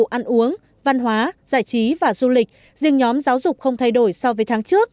ăn uống văn hóa giải trí và du lịch riêng nhóm giáo dục không thay đổi so với tháng trước